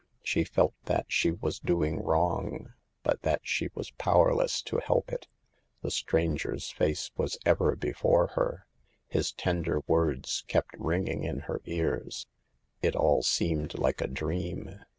She felt that she was doing wrong, but that she was powerless to help it. The stranger's face was ever before her ; his tender words kept ringing in her ears ; it all seemed like a dream.